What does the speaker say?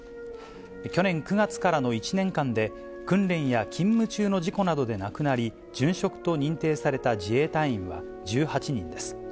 去年９月からの１年間で、訓練や勤務中の事故などで亡くなり、殉職と認定された自衛隊員は１８人です。